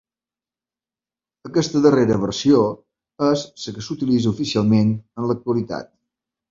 Aquesta darrera versió és la que s'utilitza oficialment en l'actualitat.